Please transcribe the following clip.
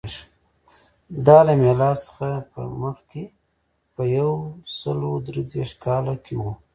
دا له میلاد څخه مخکې په یو سوه درې دېرش کال کې و